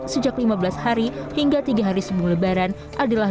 sejak lima belas hari hingga tiga hari sebelum lebaran adalah